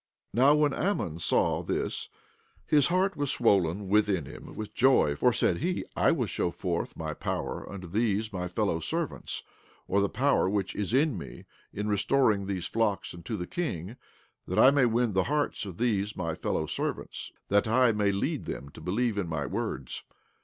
Now when Ammon saw this his heart was swollen within him with joy; for, said he, I will show forth my power unto these my fellow servants, or the power which is in me, in restoring these flocks unto the king, that I may win the hearts of these my fellow servants, that I may lead them to believe in my words.